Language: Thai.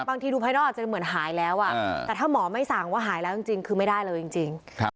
บางทีดูภายนอกอาจจะเหมือนหายแล้วแต่ถ้าหมอไม่สั่งว่าหายแล้วจริงคือไม่ได้เลยจริง